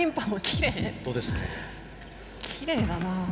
きれいだな。